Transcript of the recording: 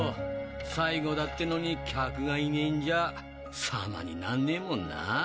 最後だってのに客がいねえんじゃサマになんねえもんな。